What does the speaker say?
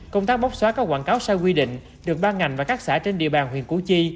công tác bóc xóa các quảng cáo sai quy định được ban ngành và các xã trên địa bàn huyện củ chi